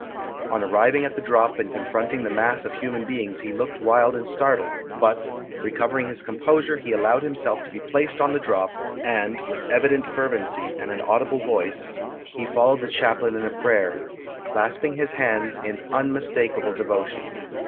On arriving at the drop and confronting the mass of human beings he looked wild and startled, but, recovering his composure he allowed himself to be placed on the drop, and, with evident fervency and an audible voice, he followed the chaplain in a prayer, clasping his hands in unmismakeable devotion.